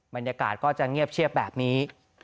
บรรยากาศก็จะเงียบเชียบแบบนี้